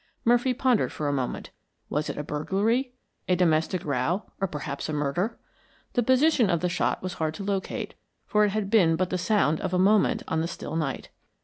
Murphy pondered for a moment. Was it a burglary, a domestic row, or perhaps a murder? The position of the shot was hard to locate, for it had been but the sound of a moment on the still night.